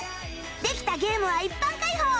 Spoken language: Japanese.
できたゲームは一般開放！